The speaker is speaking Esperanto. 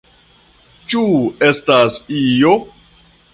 Ĉu estas io?